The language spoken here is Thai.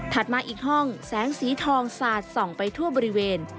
มาอีกห้องแสงสีทองสาดส่องไปทั่วบริเวณ